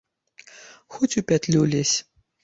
Хоць у пятлю лезь.